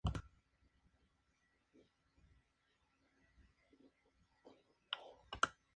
El rey Esteban Uroš I fue su hijo.